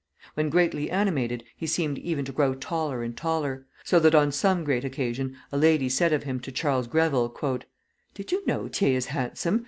When greatly animated, he seemed even to grow taller and taller, so that on some great occasion a lady said of him to Charles Greville: "Did you know, Thiers is handsome!